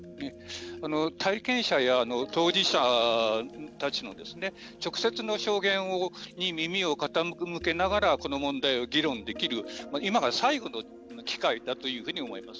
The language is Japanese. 体験者や当事者たちの直接の証言に耳を傾けながらこの問題を議論できる今が最後の機会だというふうに思います。